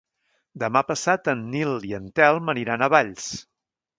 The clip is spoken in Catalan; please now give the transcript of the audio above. Demà passat en Nil i en Telm aniran a Valls.